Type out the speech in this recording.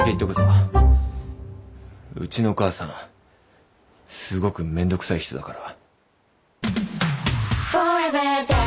うちの母さんすごくめんどくさい人だから。